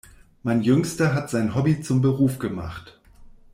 Mein Jüngster hat sein Hobby zum Beruf gemacht.